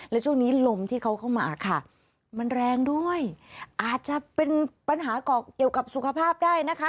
และช่วงนี้ลมที่เขาเข้ามาค่ะมันแรงด้วยอาจจะเป็นปัญหาก่อเกี่ยวกับสุขภาพได้นะคะ